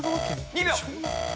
２秒。